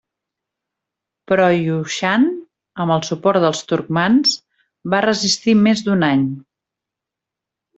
Però Yushan, amb el suport dels turcmans, va resistir més d'un any.